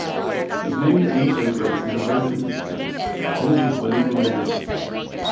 His name also graces a residence hall at the College of William and Mary.